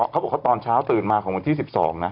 เขาบอกว่าตอนเช้าตื่นมาของวันที่๑๒นะ